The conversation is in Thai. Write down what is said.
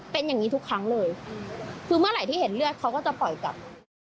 เป็นอย่างนี้ทุกครั้งเลยคือเมื่อไหร่ที่เห็นเลือดเขาก็จะปล่อยกลับ